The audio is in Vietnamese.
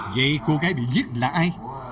vậy cô gái bị giết là ai